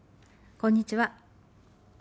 こんにちは。